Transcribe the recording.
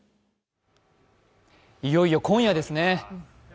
いよいよ今夜ですね。